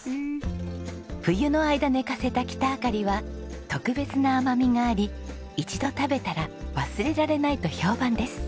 冬の間寝かせたキタアカリは特別な甘みがあり一度食べたら忘れられないと評判です。